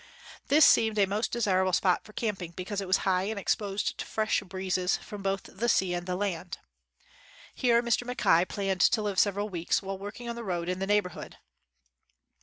This seemed a most desirable spot for camping because it was high and exposed to fresh breezes from both the sea and the land. Here Mr. Mackay planned to live several weeks, while working on the road in the neighborhood.